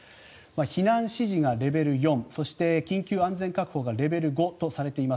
避難指示がレベル４そして、緊急安全確保がレベル５とされています。